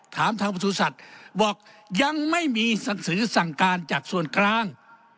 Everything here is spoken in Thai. ถามทางบริษัทบอกยังไม่มีศักดิ์สื่อสั่งการจากส่วนกลาง